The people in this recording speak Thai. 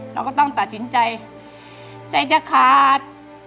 เราก็ต้องตัดสินใจใจจะขาด